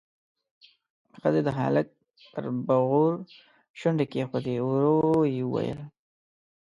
ښځې د هلک پر بغور شونډې کېښودې، ورو يې وويل: